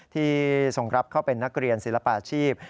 ทรงรับเข้าเป็นนักเรียนศิลปาชีพ